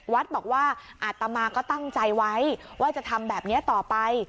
วัดบอกว่าอาตมาก็ตั้งใจไว้ว่าจะทำแบบนี้ต่อไป